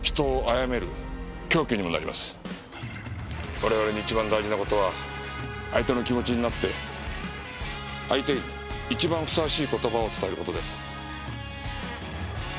我々に一番大事な事は相手の気持ちになって相手に一番ふさわしい言葉を伝える事です。